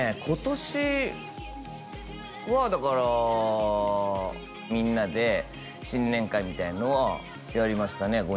今年はだからみんなで新年会みたいなのをやりましたね